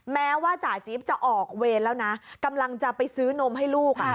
แม้ว่าจ่าจิ๊บจะออกเวรแล้วนะกำลังจะไปซื้อนมให้ลูก